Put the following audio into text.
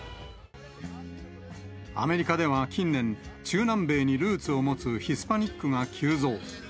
アメリカでは近年、中南米にルーツを持つヒスパニックが急増。